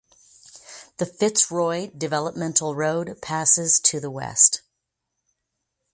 The Fitzroy Developmental Road passes to the west.